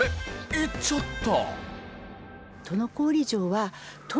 行っちゃった。